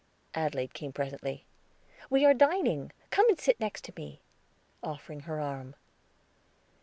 Adelaide came presently. "We are dining; come and sit next me," offering her arm.